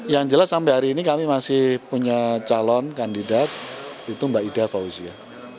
yang jelas sampai hari ini kami masih punya calon kandidat itu mbak ida fauzia